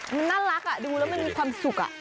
มันน่ารักดูแล้วมันมีความสุข